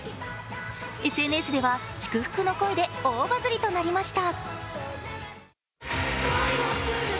ＳＮＳでは祝福の声で大バズりとなりました。